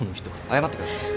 謝ってください。